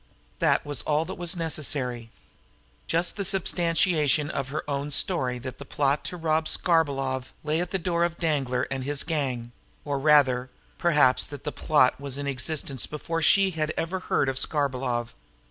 That was all that was necessary just the substantiation of her own story that the plot to rob Skarbolov lay at the door of Danglar and his gang; or, rather, perhaps, that the plot was in existence before she had ever heard of Skarbolov.